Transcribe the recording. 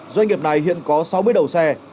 doanh nghiệp này hiện có sáu mươi đầu xe